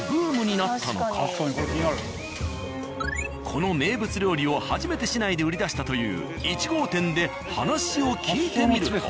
この名物料理を初めて市内で売り出したという１号店で話を聞いてみると。